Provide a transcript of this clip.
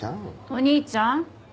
お兄ちゃん。